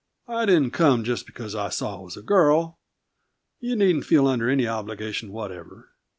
"I didn't come just because I saw it was a girl. You needn't feel under any obligation whatever.